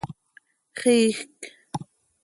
Xiijc.